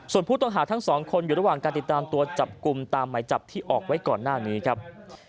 ส่วนผู้ต้องหาทั้งสองคนอยู่ระหว่างการติดตามตัวจับกลุ่มตามหมายจับที่ออกไว้ก่อนหน้านี้ครับ